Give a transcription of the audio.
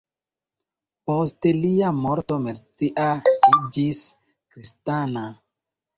Post lia morto Mercia iĝis kristana.